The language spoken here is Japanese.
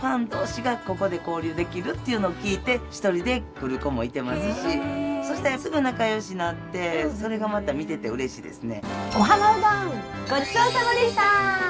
というのを聞いて一人で来る子もいてますしそしたらすぐ仲よしなってそれがまた見ててうれしいですね。